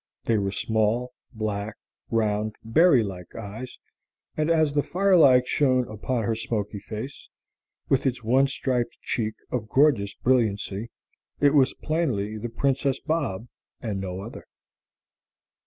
They were small, black, round, berry like eyes, and as the firelight shone upon her smoky face, with its one striped cheek of gorgeous brilliancy, it was plainly the Princess Bob and no other.